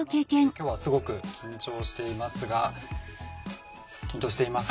今日はすごく緊張していますが緊張しています。